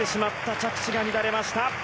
着地が乱れました。